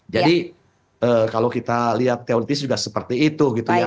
kalau kita lihat teoritis juga seperti itu gitu ya